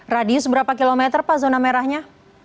radius berapa kilometer pak zona merahnya